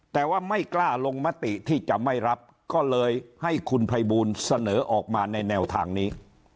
แต่ว่าไม่กล้าลงมติที่จะไม่รับก็เลยให้คุณภัยบูลเสนอออกมาในแนวทางนี้